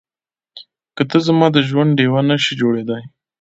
که ته زما د ژوند ډيوه نه شې جوړېدای.